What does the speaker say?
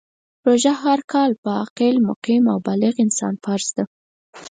روژه هر کال په عاقل ، مقیم او بالغ انسان فرض ده .